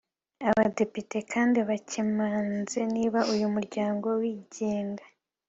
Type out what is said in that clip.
Abadepite kandi bakemanze niba uyu muryango wigenga